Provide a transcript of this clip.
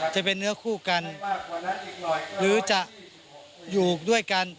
จะเป็นเนื้อคู่กันหรือจะอยู่ด้วยกัน